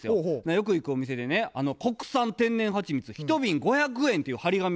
よく行くお店でね「国産天然はちみつ１瓶５００円」っていう貼り紙が貼ってあってね。